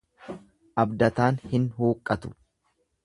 Abdataan hin huuqqatu.